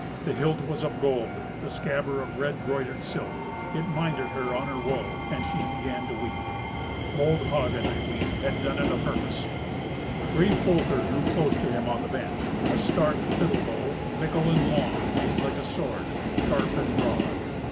The hilt was of gold, the scabbard of red broidered silk. It minded her on her woe, and she began to weep. Bold Hagen, I ween, had done it apurpose. Brave Folker drew closer to him on the bench a stark fiddle bow, mickle and long, made like a sword, sharp and broad.